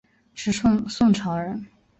是宋朝人。